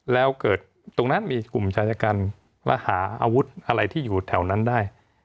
แล้วเกิดตรงนั้นมีกลุ่มชายกันและหาอาวุธอะไรที่อยู่แถวนั้นได้